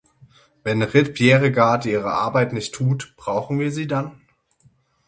Wenn Ritt Bjerregaard ihre Arbeit nicht tut, brauchen wir sie dann?